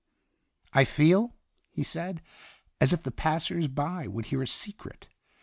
"I feel," he said, ''as if the .passers by would hear a secret.